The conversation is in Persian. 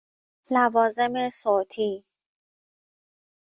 لوازم صوتی